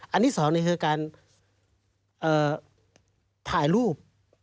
อันที่๒คือการถ่ายรูป